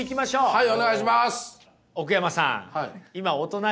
はい！